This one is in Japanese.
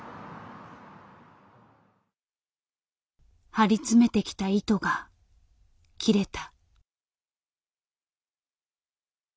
張り詰めてきた糸が切れた。